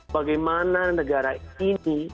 bagaimana negara ini